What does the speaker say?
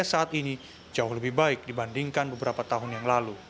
saat ini jauh lebih baik dibandingkan beberapa tahun yang lalu